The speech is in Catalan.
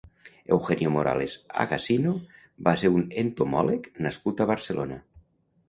Eugenio Morales Agacino va ser un entomòleg nascut a Barcelona.